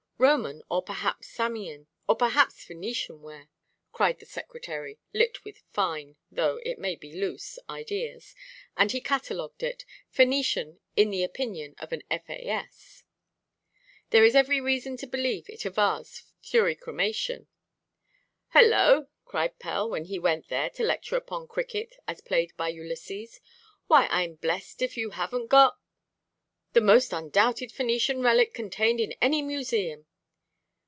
"Roman, or perhaps Samian, or possibly Phœnician ware," cried the secretary, lit with fine—though, it may be, loose—ideas; and he catalogued it: "Phœnician in the opinion of an F.A.S. There is every reason to believe it a vase for Thuricremation." "Hollo!" cried Pell, when he went there to lecture upon cricket as played by Ulysses, "why, Iʼm blessed if you havenʼt got——" "The most undoubted Phœnician relic contained in any museum!"